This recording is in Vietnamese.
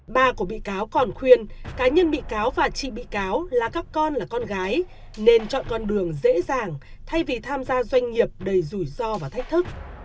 ba của bị cáo còn khuyên cá nhân bị cáo và trị bị cáo là các con là con gái nên chọn con đường dễ dàng thay vì tham gia doanh nghiệp đầy rủi ro và thách thức